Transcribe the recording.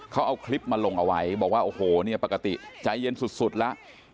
เขาเอาคลิปมาลงเอาไว้บอกว่าโอ้โหเนี่ยปกติใจเย็นสุดแล้ว